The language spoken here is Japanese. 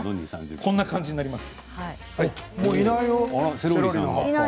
こんな感じになります。